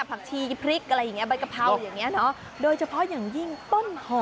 ผักชีพริกอะไรอย่างเงี้ใบกะเพราอย่างเงี้เนอะโดยเฉพาะอย่างยิ่งต้นหอม